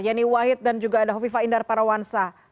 yeni wahid dan juga ada hovifa indar parawansa